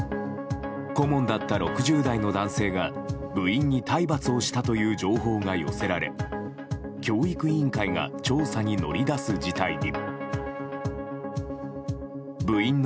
顧問だった６０代の男性が部員に体罰をしたという情報が寄せられ教育委員会が調査に乗り出す事態に。